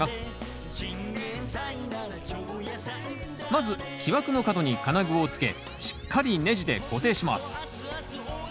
まず木枠の角に金具をつけしっかりねじで固定します。